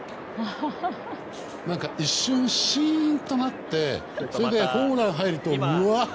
一瞬、シーンとなってそれでホームランが入るとウワー！